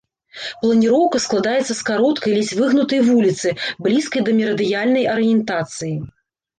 Планіроўка складаецца з кароткай, ледзь выгнутай вуліцы, блізкай да мерыдыянальнай арыентацыі.